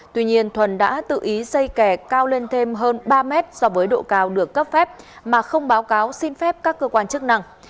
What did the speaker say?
tuy nhiên thuần đã tự ý xây kè cao lên thêm hơn ba mét so với độ cao được cấp phép mà không báo cáo xin phép các cơ quan chức năng